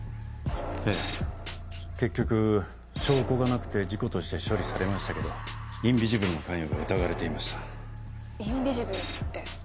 ええ結局証拠がなくて事故として処理されましたけどインビジブルの関与が疑われていましたインビジブルって？